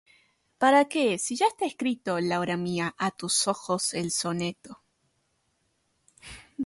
¿Para qué, si ya está escrito, Laura mía, a tus ojos el soneto?